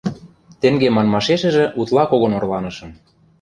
Тенге манмашешӹжӹ утла когон орланышым.